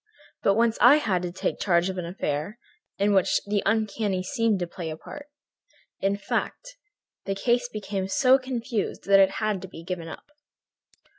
But once I had to take charge of an affair in which the uncanny seemed to play a part. In fact, the case became so confused that it had to be given up."